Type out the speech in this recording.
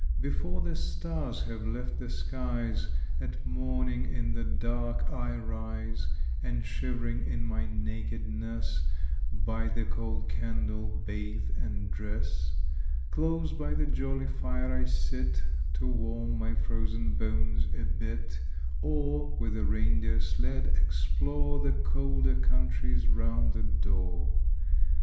Before the stars have left the skies, At morning in the dark I rise; And shivering in my nakedness, By the cold candle, bathe and dress. Close by the jolly fire I sit To warm my frozen bones a bit; Or, with a reindeer sled, explore The colder countries round the door.